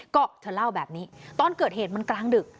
ก็เธอเล่าแบบนี้ตอนเกิดเหตุมันกลางดึก